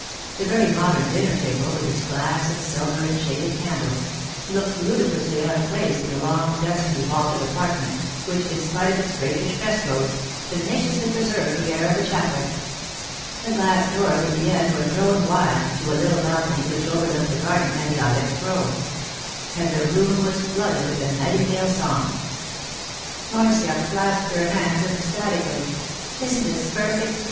The very modern dinner table, with its glass and silver and shaded candles, looked ludicrously out of place in the long, dusky, vaulted apartment, which, in spite of its rakish frescoes, tenaciously preserved the air of a chapel. The glass doors at the end were thrown wide to a little balcony which overlooked the garden and the ilex grove; and the room was flooded with a nightingale's song. Marcia clasped her hands ecstatically. 'Isn't this perfect?